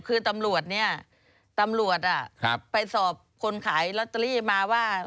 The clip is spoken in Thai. คือตำรวจไปสอบคนขายลอตเตอรี่มาว่า